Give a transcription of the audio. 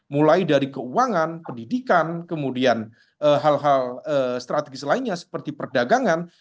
mulai dari keuangan pendidikan kemudian hal hal strategis lainnya seperti perdagangan